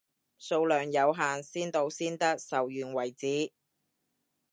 數量有限，先到先得，售完為止，